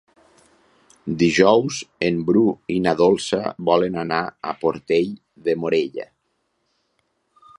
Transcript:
Dijous en Bru i na Dolça volen anar a Portell de Morella.